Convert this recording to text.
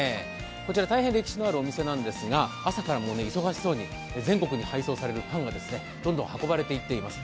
こちら大変歴史のあるお店なんですが、朝から大変忙しそうに、全国に配送されるパンがどんどん運ばれていっています。